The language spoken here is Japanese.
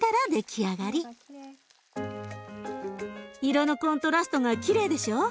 色のコントラストがきれいでしょ？